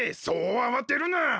そうあわてるな。